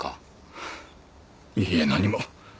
いいえ何も。